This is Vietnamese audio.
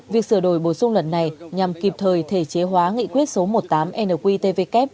việc sửa đổi bổ sung lần này nhằm kịp thời thể chế hóa nghị quyết số một mươi tám nqtvk